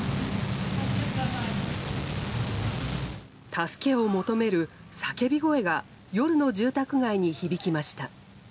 助けを求める叫び声が夜の住宅街に響きました。